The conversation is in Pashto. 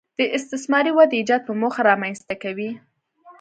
د استثماري ودې ایجاد په موخه رامنځته کوي